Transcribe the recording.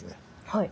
はい。